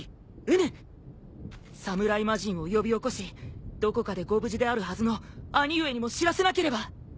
侍魔人を呼び起こしどこかでご無事であるはずの兄上にも知らせなければ！